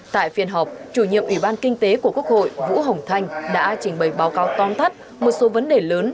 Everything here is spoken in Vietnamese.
tại phiên họp chủ nhiệm ủy ban kinh tế của quốc hội vũ hồng thanh đã trình bày báo cáo toàn tắt một số vấn đề lớn